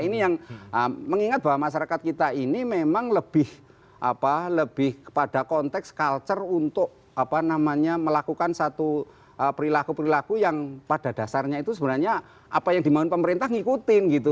ini yang mengingat bahwa masyarakat kita ini memang lebih pada konteks culture untuk melakukan satu perilaku perilaku yang pada dasarnya itu sebenarnya apa yang dibangun pemerintah ngikutin gitu